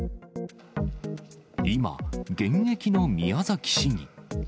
今、現役の宮崎市議。